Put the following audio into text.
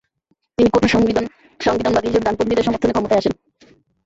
তিনি কঠোর সংবিধানবাদী হিসেবে ডানপন্থীদের সমর্থনে ক্ষমতায় আসেন।